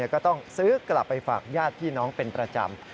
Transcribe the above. ก็ต้องซื้อกลับไปฝากญาติพี่น้องเป็นประจำ